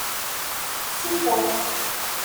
Sifer.